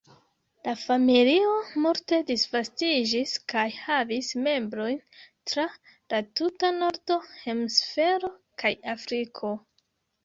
La familio multe disvastiĝis kaj havis membrojn tra la tuta norda hemisfero kaj Afriko.